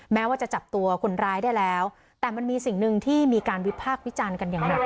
แม้ว่าจะจับตัวคนร้ายได้แล้วแต่มันมีสิ่งหนึ่งที่มีการวิพากษ์วิจารณ์กันอย่างหนัก